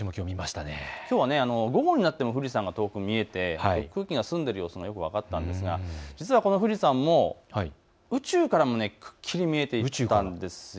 きょう午後になっても富士山が見えて空気が澄んでいる様子が分かったんですがこの富士山宇宙からもくっきり見えていたんです。